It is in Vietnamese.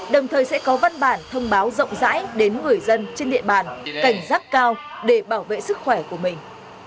đồng thời sẽ có văn bản thông báo rộng rãi đến người dân trên địa bàn cảnh giác cao để bảo vệ sức khỏe của mình